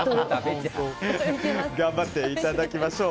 頑張っていただきましょう。